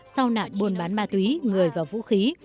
sau nạn buôn bán ma túy người và vũ khí